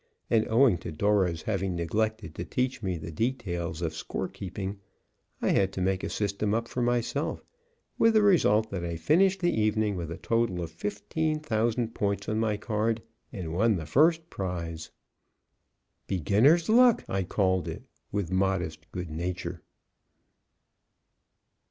And, owing to Dora's having neglected to teach me the details of score keeping, I had to make a system up for myself, with the result that I finished the evening with a total of 15,000 points on my card and won the first prize. "Beginner's luck," I called it with modest good nature.